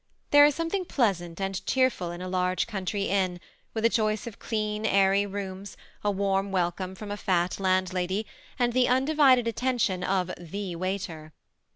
There is something pleasant and cheerful in a large country inn, with a choice of clean, airy rooms, a warm welcome from a fat landlady, and the undivided attentions of the 18* 298 THE SE»a ATTACHED COUPLE. waiter.